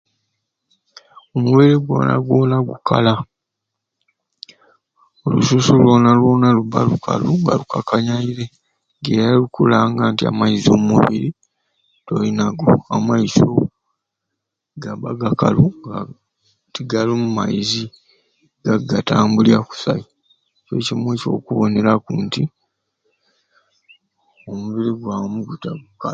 Omubiri gwona gwona gukala olususu lwona lwona luba lukalu nga lukakanyeire nga era lukulanga nti amaizi omu mubiri toyinago amaiso gaba gakalu nga tigalumu maizi gagatambulya kusai buli kimwei kyokuboneraku nti omubiri gwamu guta gukalu